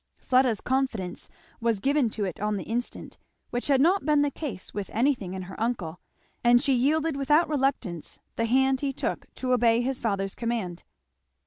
Fleda's confidence was given to it on the instant, which had not been the case with anything in her uncle, and she yielded without reluctance the hand he took to obey his father's command.